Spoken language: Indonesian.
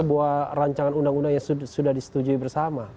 bahwa rancangan undang undang yang sudah disetujui bersama